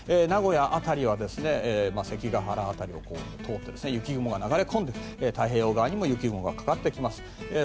名古屋辺りは関ケ原辺りを通って雪雲が流れ込んで太平洋側にも雪雲がかかってきます。